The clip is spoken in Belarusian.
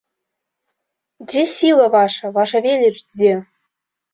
Дзе сіла ваша, ваша веліч дзе?